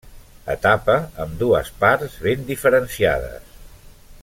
Etapa amb dues parts ben diferenciades.